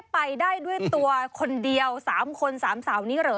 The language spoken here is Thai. ไปได้ด้วยตัวคนเดียว๓คน๓สาวนี้เหรอ